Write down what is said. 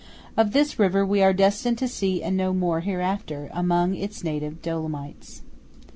Of this river we are destined to see and know more hereafter, among its native Dolomites.